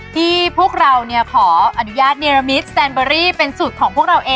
ที่พวกเราขออนุญาตเนรมิตแซนเบอรี่เป็นสูตรของพวกเราเอง